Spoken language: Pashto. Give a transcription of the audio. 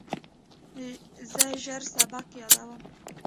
زه ژر سبق یادوم.